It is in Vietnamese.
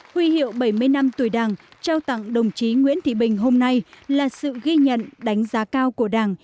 huy hiệu bảy mươi năm tuổi đảng trao tặng đồng chí nguyễn thị bình hôm nay là sự ghi nhận đánh giá cao của đảng